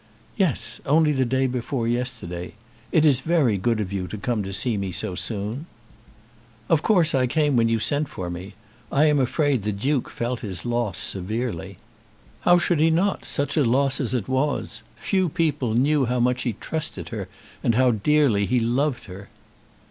"Yes; only the day before yesterday. It is very good of you to come to me so soon." "Of course I came when you sent for me. I am afraid the Duke felt his loss severely." "How should he not, such a loss as it was? Few people knew how much he trusted her, and how dearly he loved her."